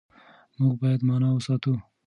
موږ بايد مانا وساتو.